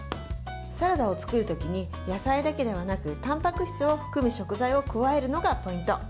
サラダを作る時に野菜だけではなくたんぱく質を含む食材を加えるのがポイント。